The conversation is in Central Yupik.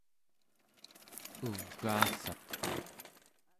Ugaassat